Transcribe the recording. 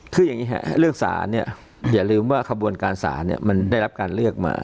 คืออย่างนี้ครับเรื่องสารเนี่ยอย่าลืมว่าขบวนการศาลเนี่ยมันได้รับการเลือกมา